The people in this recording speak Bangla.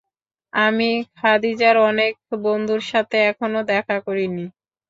আমি খাদিজার অনেক বন্ধুর সাথে এখনো দেখা করিনি।